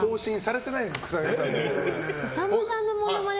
さんまさんのモノマネ